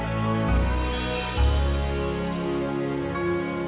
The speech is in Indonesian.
terima kasih sendiri